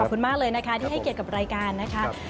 ขอบคุณมากเลยนะคะที่ให้เกียรติกับรายการนะคะ